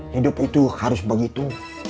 hidup itu harus begitu